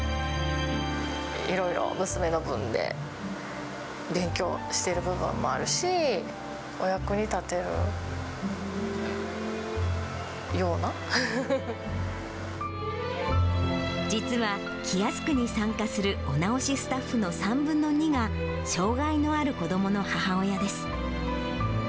いろいろ、娘の分で勉強してる部分もあるし、実は、キヤスクに参加するお直しスタッフの３分の２が、障がいのある子どもの母親です。